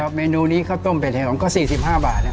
ครับเมนูนี้ข้าวต้มเป็ดแห่งของก็๔๕บาท